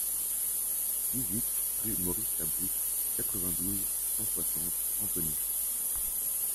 dix-huit rue Maurice Labrousse, quatre-vingt-douze, cent soixante, Antony